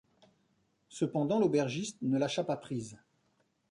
Cependant l’aubergiste ne lâcha pas prise.